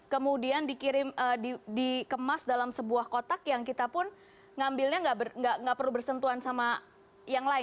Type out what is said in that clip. kemudian dikemas dalam sebuah kotak yang kita pun ngambilnya nggak perlu bersentuhan sama yang lain